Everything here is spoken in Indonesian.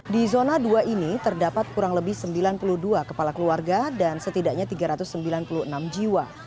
di zona dua ini terdapat kurang lebih sembilan puluh dua kepala keluarga dan setidaknya tiga ratus sembilan puluh enam jiwa